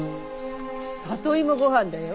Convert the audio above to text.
里芋ごはんだよ。